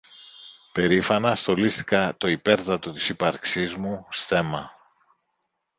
περήφανα στολίστηκα το υπέρτατο της ύπαρξής μου στέμμα